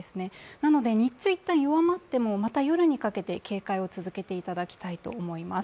なので、日中、一旦弱まってもまた夜にかけて警戒を続けていただきたいと思います。